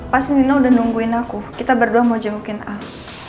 pas nino udah nungguin aku kita berdua mau jemukin al